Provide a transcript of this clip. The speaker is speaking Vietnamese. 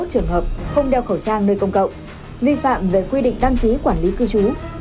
hai trăm hai mươi một trường hợp không đeo khẩu trang nơi công cậu vi phạm về quy định đăng ký quản lý cư trú